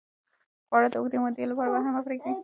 خواړه د اوږدې مودې لپاره بهر مه پرېږدئ.